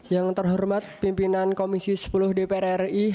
yang terhormat pimpinan komisi sepuluh dpr ri